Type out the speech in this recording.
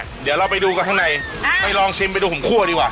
เดี๋ยวเราไปดูกันข้างในไปลองชิมไปดูของคั่วดีกว่า